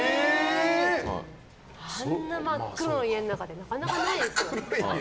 あんな真っ黒の家の中でなかなかないですよ。